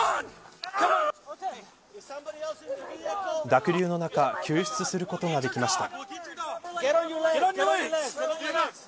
濁流の中救出することはできました。